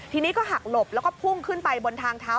ทีนี้ก็หักหลบแล้วก็พุ่งขึ้นไปบนทางเท้า